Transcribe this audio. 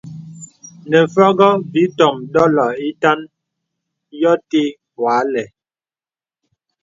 Nə Fògō vì ìtōm dòlo ītàn yô tə̀ wà àlə̄.